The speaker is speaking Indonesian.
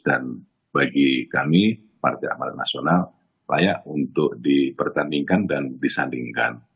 dan bagi kami partai amart nasional layak untuk dipertandingkan dan disandingkan